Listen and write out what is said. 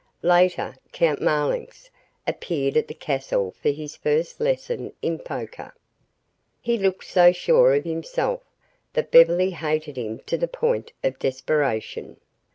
Later, Count Marlanx appeared at the castle for his first lesson in poker. He looked so sure of himself that Beverly hated him to the point of desperation.